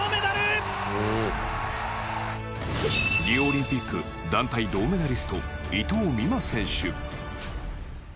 リオオリンピック団体銅メダリスト伊藤美誠選手。